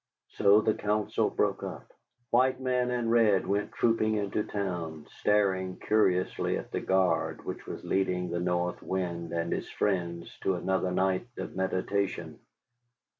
So the council broke up. White man and red went trooping into town, staring curiously at the guard which was leading the North Wind and his friends to another night of meditation.